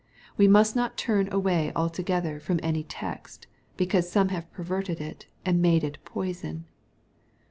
We must not turn away altogether from any text^ because some have perverted it, and made it poison.